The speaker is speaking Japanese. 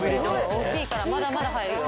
大っきいからまだまだ入るよ。